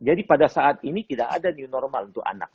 jadi pada saat ini tidak ada new normal untuk anak